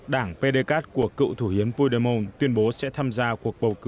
đảng pdcat của cựu thủ hiến puidemont tuyên bố sẽ tham gia cuộc bầu cử sáng giữa bàn trường